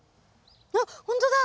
あっほんとだ！